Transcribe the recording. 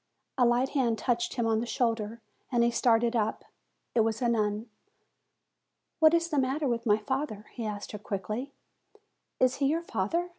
A light hand touched him on the shoulder, and he started up : it was a nun. "What is the matter with my father?" he asked her quickly. "Is he your father?"